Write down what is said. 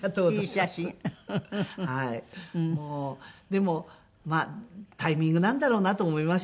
でもタイミングなんだろうなと思いました。